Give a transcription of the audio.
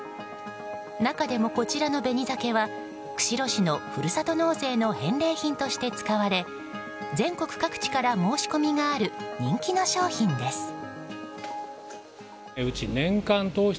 中でも、こちらの紅鮭は釧路市のふるさと納税の返礼品として使われ全国各地から申し込みがある人気の商品です。